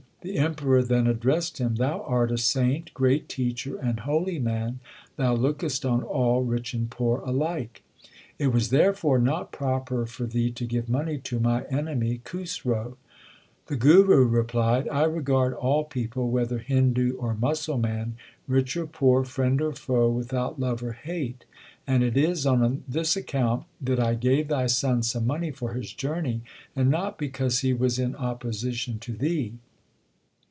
The Emperor then addressed him : Thou art a saint, great teacher, and holy man ; thou lookest on all, rich and poor, alike. It was therefore not proper for thee to give money to my enemy Khusro/ The Guru replied : I regard all people, whether Hindu or Musalman, rich or poor, friend or foe, without love or hate ; and it is on this account that I gave thy son some money for his journey, and not because he was in opposition to thee.